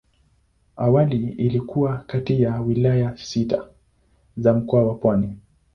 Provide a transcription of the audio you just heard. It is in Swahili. Awali ilikuwa kati ya wilaya sita za Mkoa wa Pwani.